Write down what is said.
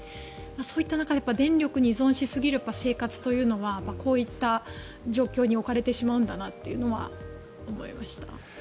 そういった中で、電力に依存しすぎる生活というのはこういった状況に置かれてしまうんだなっていうのは思いました。